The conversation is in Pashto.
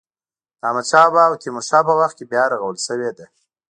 د احمد شا بابا او تیمور شاه په وخت کې بیا رغول شوې ده.